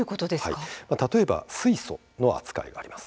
例えば水素の扱いがあります。